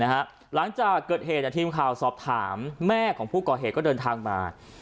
หลังจากเกิดเหตุทีมข่าวสอบถามแม่ของผู้ก่อเหตุก็เดินทางมา